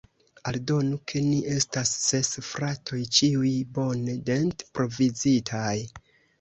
Aldonu, ke ni estas ses fratoj, ĉiuj bone dent-provizitaj.